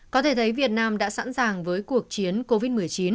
có thể thấy việt nam đã sẵn sàng với cuộc chiến covid một mươi chín